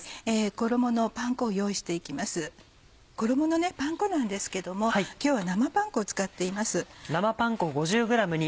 衣のパン粉なんですけども今日は生パン粉を使っています。